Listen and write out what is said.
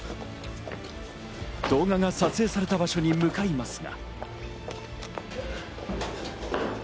動画が撮影された場所に向かいますが。